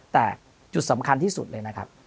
แต่จุดสำคัญที่สุดเลยนะครับ